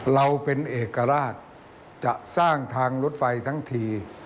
เราเป็นเอกราชจะสร้างทางรถไฟทั้งที